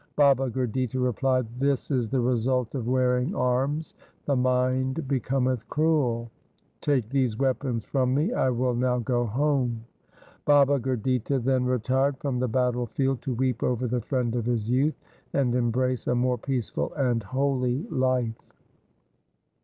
Baba Gurditta replied, ' This is the res\ilt of wearing arms. The mind becometh cruel. Take these weapons from me. I will now go home.' Baba Gurditta then retired from the battle field to weep over the friend of his youth, and embrace a more peaceful and holy life.